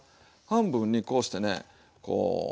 半分にこうしてねこう。